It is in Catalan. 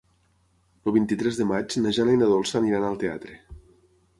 El vint-i-tres de maig na Jana i na Dolça aniran al teatre.